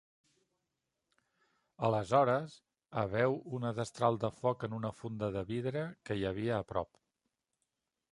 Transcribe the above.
Aleshores, A veu una destral de foc en una funda de vidre que hi havia a prop.